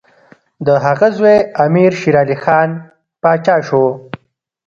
د هغه زوی امیر شېرعلي خان پاچا شو.